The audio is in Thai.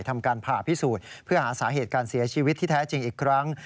ทำการผ่าพิสูจน์เพื่อหาสาเหตุการเสียชีวิตที่แท้จริงอีกครั้ง